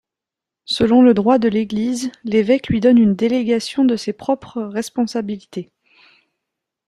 Selon le droit de l'Église, l'évêque lui donne une délégation de ses propres responsabilités.